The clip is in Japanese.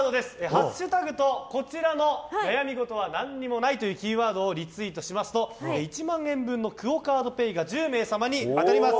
ハッシュタグと「悩み事はなんにもない」というキーワードをリツイートしますと１万円分のＱＵＯカードＰａｙが１０名様に当たります。